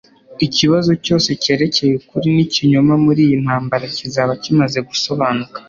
Ikibazo cyose cyerekeye ukuri n'ikinyoma muri iyi ntambara kizaba kimaze gusobanuka